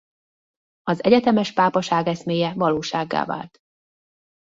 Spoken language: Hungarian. Az egyetemes pápaság eszméje valósággá vált.